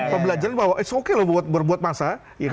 pembelajaran bahwa it's okay loh buat masa